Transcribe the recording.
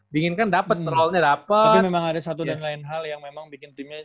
dinginkan dapat rollnya dapat tapi memang ada satu dan lain hal yang memang bikin timnya